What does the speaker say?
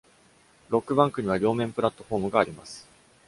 ロックバンクには両面プラットフォームがあります。